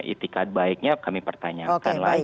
itikat baiknya kami pertanyakan lagi